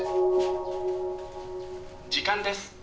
時間です。